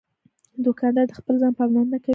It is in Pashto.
دوکاندار د خپل ځان پاملرنه کوي.